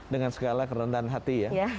dengan segala kerendahan hati ya